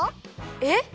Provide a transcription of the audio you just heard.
えっ？